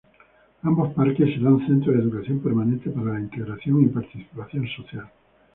Ambos parques, serán centros de educación permanente para la integración y participación social.